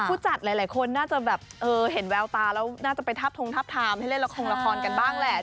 ผู้จัดหลายคนน่าจะแบบเห็นแววตาแล้วน่าจะไปทับทงทับทามให้เล่นละครละครกันบ้างแหละ